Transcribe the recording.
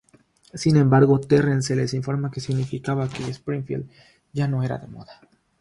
Sin embargo, Terrence les informa que significaba que Springfield ya no era de moda.